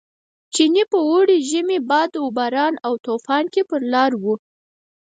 چیني په اوړي، ژمي، باد و باران او توپان کې پر لار و.